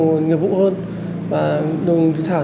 nghiệp vụ hơn và đồng chí thảo